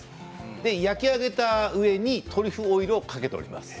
で、焼き上げた上にトリュフオイルをかけております。